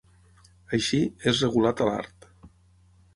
Així, és regulat a l'art.